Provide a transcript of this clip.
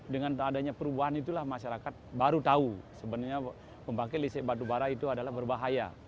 dengan adanya perubahan itulah masyarakat baru tahu sebenarnya pembangkit listrik batubara itu adalah berbahaya